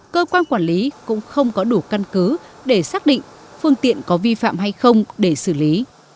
cơ quan quản lý cũng không có đủ căn cứ để xác định phương tiện có vi phạm hay không để xử lý